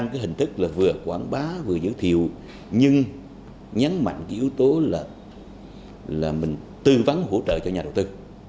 cái hình thức là vừa quảng bá vừa giới thiệu nhưng nhấn mạnh cái yếu tố là mình tư vấn hỗ trợ cho nhà đầu tư